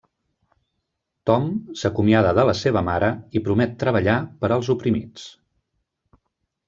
Tom s'acomiada de la seva mare i promet treballar per als oprimits.